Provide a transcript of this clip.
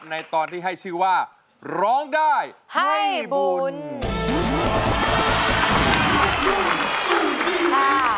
ในตอนที่ให้ชื่อว่าร้องได้ให้บุญ